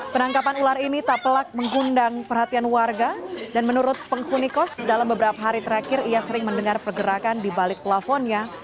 penangkapan ular ini tak pelak mengundang perhatian warga dan menurut penghuni kos dalam beberapa hari terakhir ia sering mendengar pergerakan di balik pelafonnya